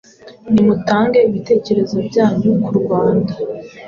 nimutange ibitekerezo byanyu kurwanda